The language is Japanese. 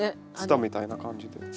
ツタみたいな感じで。